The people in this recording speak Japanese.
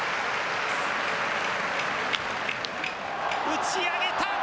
打ち上げた！